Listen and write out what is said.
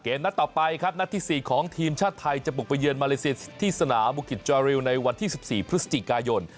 นัดต่อไปครับนัดที่๔ของทีมชาติไทยจะบุกไปเยือนมาเลเซียสที่สนามบุกิจจอริวในวันที่๑๔พฤศจิกายน